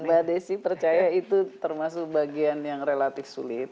mbak desi percaya itu termasuk bagian yang relatif sulit